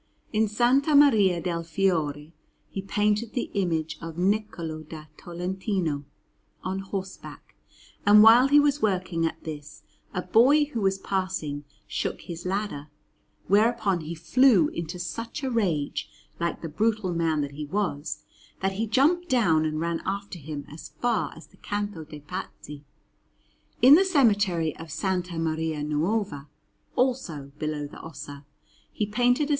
In S. Maria del Fiore he painted the image of Niccolò da Tolentino on horseback; and while he was working at this a boy who was passing shook his ladder, whereupon he flew into such a rage, like the brutal man that he was, that he jumped down and ran after him as far as the Canto de' Pazzi. In the cemetery of S. Maria Nuova, also, below the Ossa, he painted a S.